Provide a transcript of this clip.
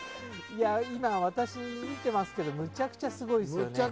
今、私見ていますけどめちゃくちゃすごいですよね。